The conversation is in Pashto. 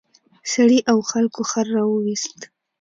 سړي او خلکو خر راوویست.